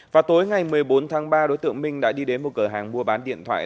vào tối ngày một mươi bốn tháng ba đối tượng minh đã đi đến một cửa hàng mua bán điện thoại